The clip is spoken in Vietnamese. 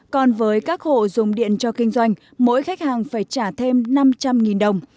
còn với các hộ dùng điện cho kinh doanh mỗi khách hàng phải trả thêm năm trăm linh đồng